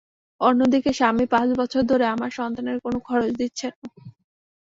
অন্যদিকে স্বামী পাঁচ বছর ধরে আমার সন্তানের কোনো খরচ দিচ্ছে না।